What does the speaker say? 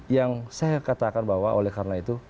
yang saya katakan bahwa oleh karena itu